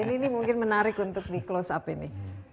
ini mungkin menarik untuk di close up ini